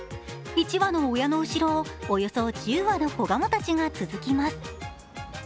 １羽の親の後ろをおよそ１０羽の子ガモたちが続きます。